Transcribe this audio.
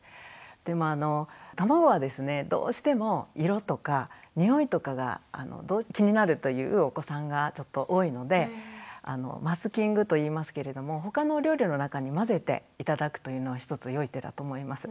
でも卵はですねどうしても色とかにおいとかが気になるというお子さんがちょっと多いのでマスキングといいますけれどもほかのお料理の中に混ぜて頂くというのはひとつ良い手だと思います。